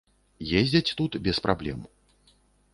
Ездзяць тут без праблем.